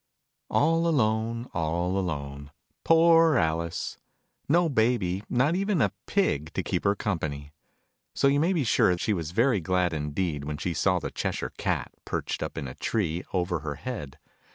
All alone, all alone ! Poor Alice ! No Baby, not even a Pig to keep her company ! So you may be sure she was very glad indeed, when she saw the Cheshire Cat, perched up in a tree, over her head.